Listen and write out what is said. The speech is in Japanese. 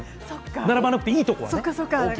並ばなくていいところはね。